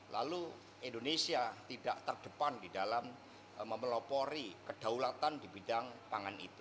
lalu indonesia tidak terdepan di dalam memelopori kedaulatan di bidang pangan itu